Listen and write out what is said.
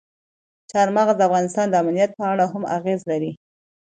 چار مغز د افغانستان د امنیت په اړه هم اغېز لري.